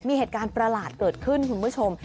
มีเหตุการณ์ประหลาดเกิดขึ้นคุณผู้ชม